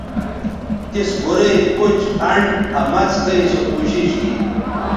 تِس گورئ، کُچ، انڈ آ مڅ کھئ سو کوشش گی